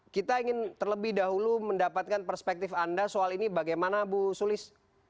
kita ingin terlebih dahulu mendapatkan perspektif anda soal ini bagaimana bu sulis